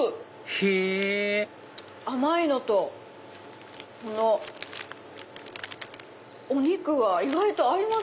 へぇ甘いのとこのお肉が意外と合いますね。